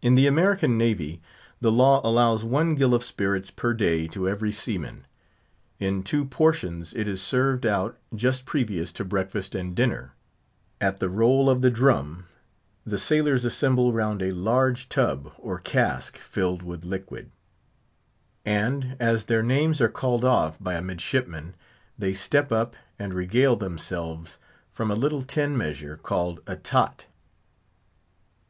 In the American Navy, the law allows one gill of spirits per day to every seaman. In two portions, it is served out just previous to breakfast and dinner. At the roll of the drum, the sailors assemble round a large tub, or cask, filled with liquid; and, as their names are called off by a midshipman, they step up and regale themselves from a little tin measure called a "tot."